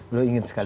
beliau ingin sekali